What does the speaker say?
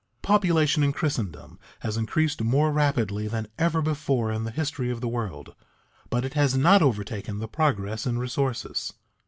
Population in Christendom has increased more rapidly than ever before in the history of the world, but it has not overtaken the progress in resources.